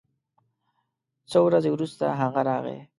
څو ورځې وروسته هغه راغی